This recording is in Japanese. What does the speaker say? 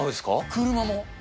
車も。